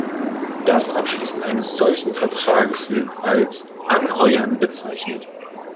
Das Abschließen eines solchen Vertrages wird als "Anheuern" bezeichnet.